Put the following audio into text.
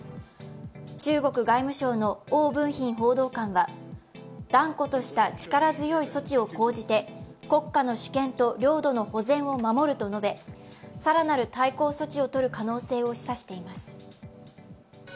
中国外務省の汪文斌報道官は、断固とした力強い措置を講じて国家の主権と領土の保全を守ると述べ、更なる対抗措置を取る可能性を示唆しています。